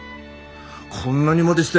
こんなにまでして。